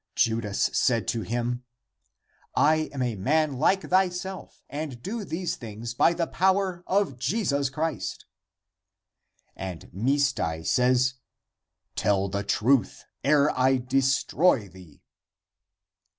Judas said to him, "I am a man like thyself, and do these things by the power of Jesus Christ." And Misdai says, " Tell the truth, ere I destroy thee."